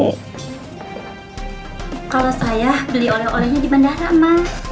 kalau saya beli oleh olehnya di bandara mah